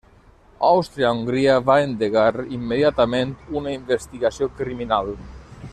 Àustria-Hongria va endegar immediatament una investigació criminal.